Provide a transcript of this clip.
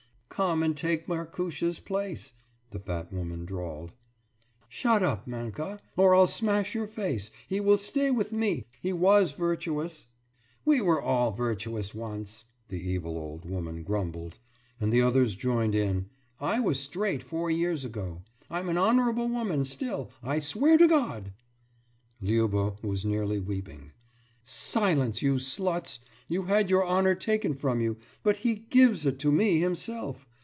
« »Come and take Markusha's place,« the fat woman drawled. »Shut up, Manka, or I'll smash your face! He will stay with me. He was virtuous....« »We were all virtuous once,« the evil old woman grumbled. And the others joined in: »I was straight four years ago ... I'm an honourable woman still ... I swear to God....« Liuba was nearly weeping. »Silence, you sluts! You had your honour taken from you; but he gives it me himself.